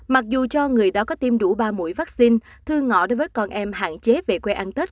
mặc dù cho người đó có tiêm đủ ba mũi vaccine thư ngõ đối với con em hạn chế về quê ăn tết